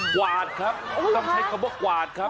กวาดครับต้องใช้คำว่ากวาดครับ